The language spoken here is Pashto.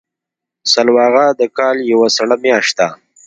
سلواغه د کال یوه سړه میاشت ده.